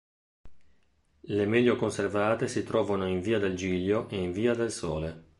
Le meglio conservate si trovano in via del Giglio e in via del Sole.